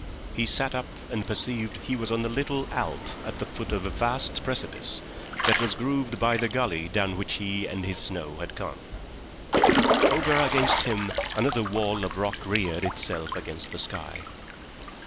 He sat up and perceived he was on a little alp at the foot of a vast precipice that sloped only a little in the gully down which he and his snow had come. Over against him another wall of rock reared itself against the sky.